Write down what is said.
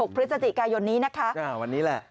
พฤศจิกายนนี้นะคะวันนี้แหละ